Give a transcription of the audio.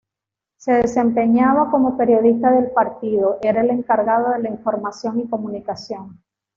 Se desempeñaba como periodista del partido, era el encargado de la información y comunicación.